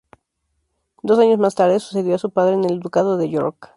Dos años más tarde, sucedió a su padre en el ducado de York.